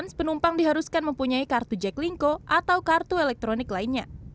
penumpang diharuskan mempunyai kartu jack linco atau kartu elektronik lainnya